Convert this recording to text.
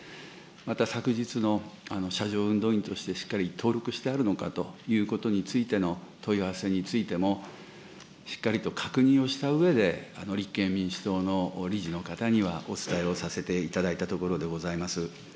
また昨日の車上運動員として登録してあるのかということについての問い合わせについても、しっかりと確認をしたうえで、立憲民主党の理事の方にはお伝えをさせていただいたところでございます。